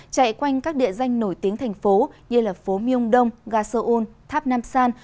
chạy quanh các địa danh nổi tiếng thành phố như là phố myongdong ga seoul tháp nam san